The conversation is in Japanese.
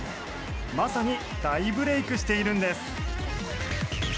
まさに大ブレークしているんです。